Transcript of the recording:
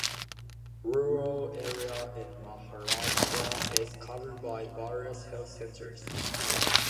Rural area in Maharashtra is covered by various health centers.